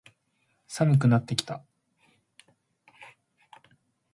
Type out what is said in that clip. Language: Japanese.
寒くなってきた。